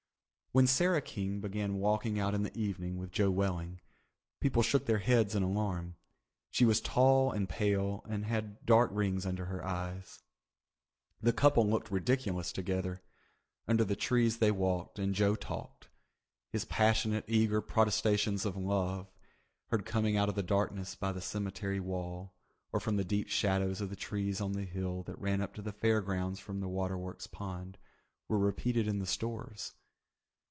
When Sarah King began walking out in the evening with Joe Welling, people shook their heads in alarm. She was tall and pale and had dark rings under her eyes. The couple looked ridiculous together. Under the trees they walked and Joe talked. His passionate eager protestations of love, heard coming out of the darkness by the cemetery wall, or from the deep shadows of the trees on the hill that ran up to the Fair Grounds from Waterworks Pond, were repeated in the stores.